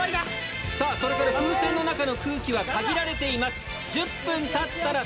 それぞれ風船の中の空気は限られています。